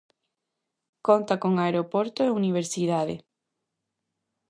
Conta con aeroporto e universidade.